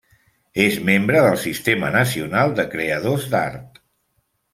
És membre del Sistema Nacional de Creadors d'Art.